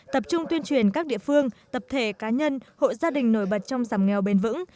tập trung tuyên truyền các địa phương tập thể cá nhân hội gia đình nổi bật trong giảm nghèo bền vững